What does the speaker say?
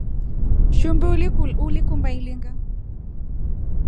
Shumbi ulikumba ilinga ?